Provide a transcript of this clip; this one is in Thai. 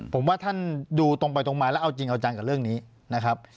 ผมว่าท่านดูตรงไปตรงมาแล้วเอาจริงเอาจังกับเรื่องนี้นะครับ